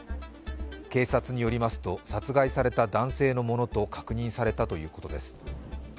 警察によりますと、殺害された男性のものと確認されたということです。